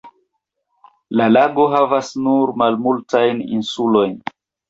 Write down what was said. La lago havas nur malmultajn insulojn.